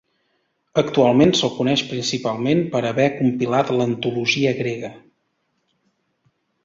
Actualment se'l coneix principalment per haver compilat l'antologia grega.